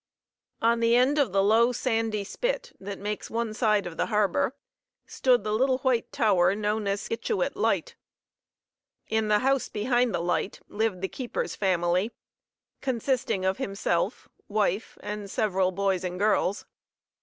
On the end of the low, sandy spit that makes one side of the harbor, stood the little white tower known as Scituate Light. In the house behind the light lived the keeper's family, consisting of himself, wife, and several boys and girls.